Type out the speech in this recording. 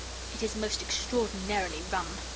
"It is most extraordinarily rum!"